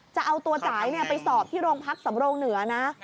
จะเอาตัวจ่ายไปสอบที่โรงพักสำโรงเหนือนะ